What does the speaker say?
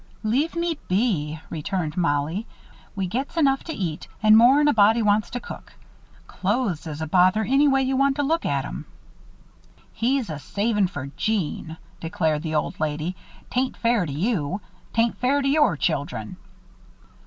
"Leave me be," returned Mollie. "We gets enough to eat and more'n a body wants to cook. Clothes is a bother any way you want to look at 'em." "He's a saving fer Jeanne," declared the old lady. "'Tain't fair to you. 'Tain't fair to your children."